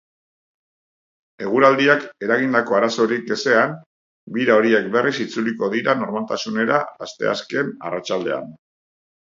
Eguraldiak eragindako arazorik ezean, bira horiek berriz itzuliko dira normaltasunera asteazken arratsaldean.